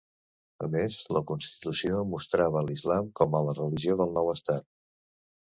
A més, la constitució mostrava l'islam com a la religió del nou estat.